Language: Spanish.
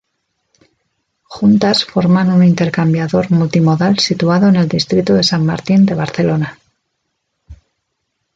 Juntas forman un intercambiador multimodal situado en el distrito de San Martín de Barcelona.